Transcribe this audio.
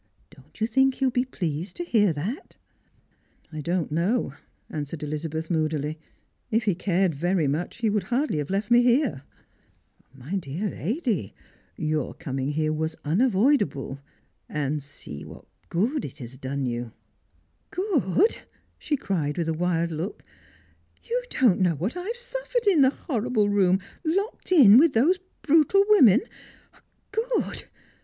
Don't you tliink he'll be very pleased to hear that P" " I don't know," answered Elizabeth moodily; "if he cared very much he would hardly have left me here." " My dear lady, your coming here was unavoidable. Ajid B§9 wJiQ.t good it hag done you I" Sirangers and Pilgrims. 375 « Good !" she cried, with a wild look, " You don't know what I have suffered in the horrible room, locked in, with those brutal women. Gcod